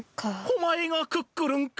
・おまえがクックルンか？